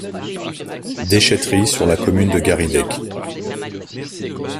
Déchèterie sur la commune de Garidech.